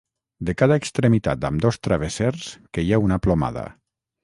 De cada extremitat d'ambdós travessers queia una plomada.